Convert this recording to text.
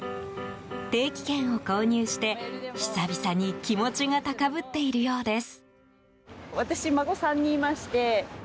定期券を購入して久々に気持ちが高ぶっているようです。